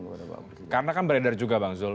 kepada pak presiden karena kan beredar juga bang zul